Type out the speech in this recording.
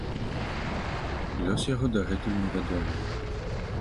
Лёс яго дагэтуль невядомы.